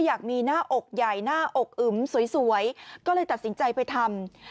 อยากมีหน้าอกใหญ่หน้าอกอึมสวยก็เลยตัดสินใจไปทำ